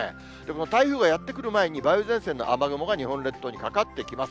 台風がやって来る前に、梅雨前線の雨雲が日本列島にかかってきます。